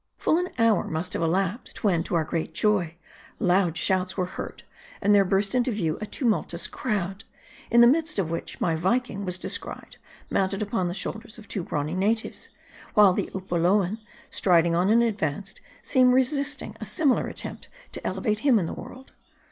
Full an hour must have elapsed ; when, to our great joy, loud shouts were heard ; and there burst into view a tumult uous crowd, in the midst of which my Viking was descried, mounted upon the shoulders of two brawny natives ; while the Upoluan, striding on in advance, seemed resisting a sim ilar attempt to elevate him in the world.